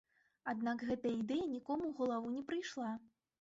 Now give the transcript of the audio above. Аднак гэтая ідэя нікому ў галаву не прыйшла.